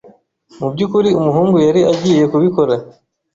Mu byukuri umuhungu yari agiye kubikora.